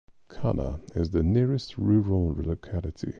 Kanna is the nearest rural locality.